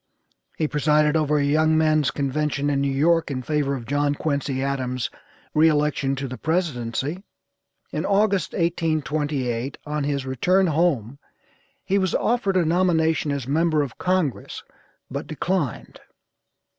He presided over a young men's convention in New York in favor of John Quincy Adams' re election to the presidency. In August, 1828, on his return home he was offered a nomination as member of Congress but declined.